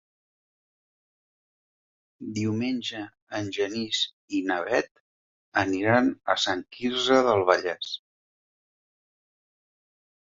Diumenge en Genís i na Bet aniran a Sant Quirze del Vallès.